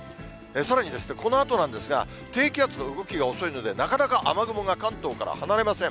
さらにこのあとなんですが、低気圧の動きが遅いので、なかなか雨雲が関東から離れません。